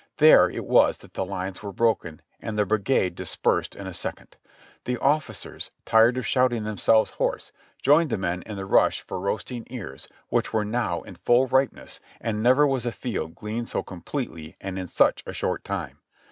There it was that the lines were broken, and the brigade dis persed in a second. The officers, tired of shouting themselves hoarse, joined the men in the rush for roasting ears, which were now in full ripeness, and never was a field gleaned so com pletely and in such a short time.